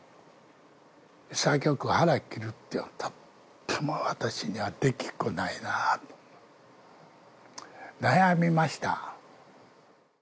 潔く腹を切るってのは、とっても私にはできっこないなと悩みました。